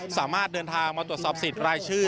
สามารถเดินทางมาตรวจสอบสิทธิ์รายชื่อ